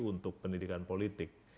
untuk pendidikan politik